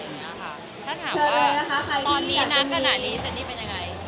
ถ้าถามว่าตอนนี้ณขณะนี้เซนนี่เป็นยังไง